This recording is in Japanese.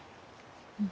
うん。